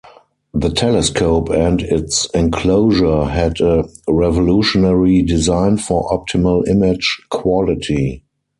The telescope and its enclosure had a revolutionary design for optimal image quality.